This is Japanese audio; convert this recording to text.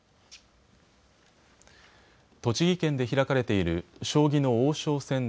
栃木県で開かれている将棋の王将戦